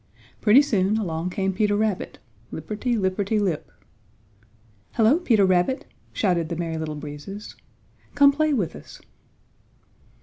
Pretty soon along came Peter Rabbit, lipperty lipperty lip. "Hello, Peter Rabbit!" shouted the Merry Little Breezes. "Come play with us!"